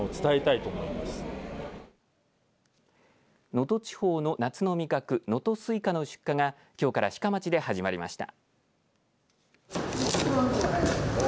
能登地方の夏の味覚能登すいかの出荷がきょうから志賀町で始まりました。